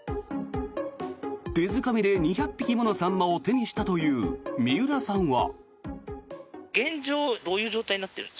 手づかみで２００匹ものサンマを手にしたという三浦さんは。